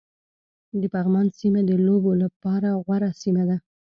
د پغمان سيمه د لوبو لپاره غوره سيمه ده